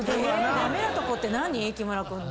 駄目なとこって何⁉木村君の。